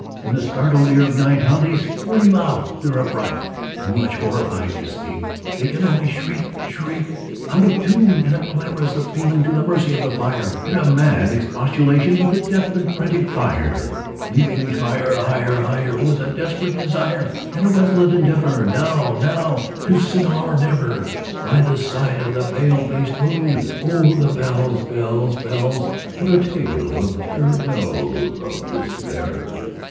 In the startled ear of night How they scream out their affright! Too much horrified to speak, They can only shriek, shriek, Out of tune, In a clamorous appealing to the mercy of the fire, In a mad expostulation with the deaf and frantic fire, Leaping higher, higher, higher, With a desperate desire, And a resolute endeavor Now now to sit, or never, By the side of the pale faced moon. Oh, the bells, bells, bells! What a tale their terror tells Of Despair!